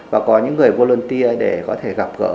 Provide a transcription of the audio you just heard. và có những người olymtia để có thể gặp gỡ